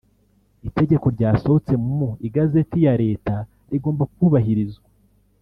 itegeko ryasohotse mu igazeti ya Leta rigomba kubahirizwa